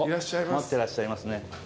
待ってらっしゃいますね。